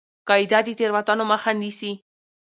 قاعده د تېروتنو مخه نیسي.